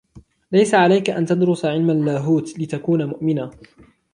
ليس عليك أن تدرس علم اللاهوت لتكون مؤمنا.